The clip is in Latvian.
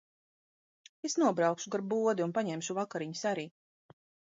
Es nobraukšu gar bodi un paņemšu vakariņas arī.